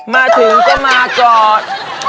มาถึงก็มาจอด